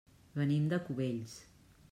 Venim de Cubells.